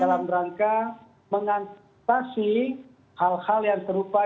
dalam rangka mengantisipasi hal hal yang serupa